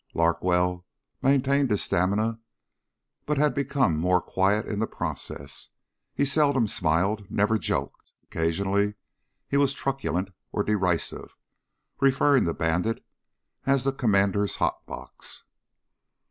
Larkwell maintained his stamina but had become more quiet in the process. He seldom smiled ... never joked. Occasionally he was truculent or derisive, referring to Bandit as the "Commander's hot box."